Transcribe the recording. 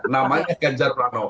namanya ganjar pranowo